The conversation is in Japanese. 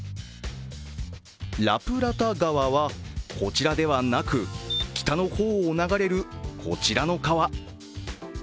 ラプラタ川は、こちらではなく、北の方を流れるこちらの川。